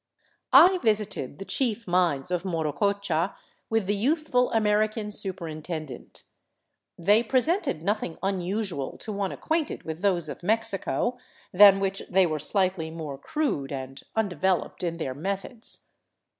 I visited the chief mines of Morococha with the youthful American superintendent. They presented nothing unusual to one acquainted with those of Mexico, than which they were slightly more crude and' 336 ROUND ABOUT THE PERUVIAN CAPITAL undeveloped in their methods.